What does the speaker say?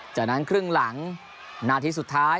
จากนั้นครึ่งหลังนาทีสุดท้าย